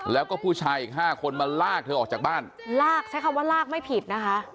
แล้วก็ผู้ชายอีกห้าคนมาลากเธอออกจากบ้านลากใช้คำว่าลากไม่ผิดนะคะ